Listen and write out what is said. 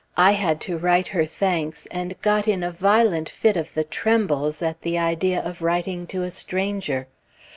I had to write her thanks, and got in a violent fit of the "trembles" at the idea of writing to a stranger.